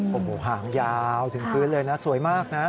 โอ้โหหางยาวถึงพื้นเลยนะสวยมากนะ